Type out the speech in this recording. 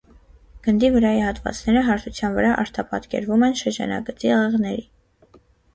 Գնդի վրայի հատվածները հարթության վրա արտապատկերվում են շրջանագծի աղեղների։